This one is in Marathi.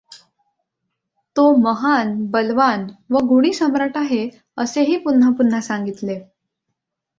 तो महान बलवान व गुणी सम्राट आहे असेहि पुन्हापुन्हा सांगितले.